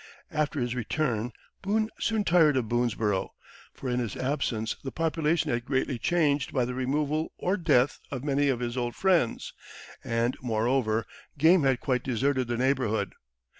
After his return Boone soon tired of Boonesborough, for in his absence the population had greatly changed by the removal or death of many of his old friends; and, moreover, game had quite deserted the neighborhood.